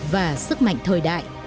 và sức mạnh thời đại